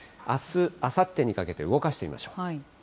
あす、あさってにかけて動かしてみましょう。